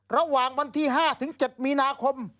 ระหว่างวันที่๕๗มีนาคม